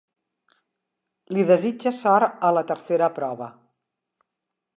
Li desitja sort a la tercera prova.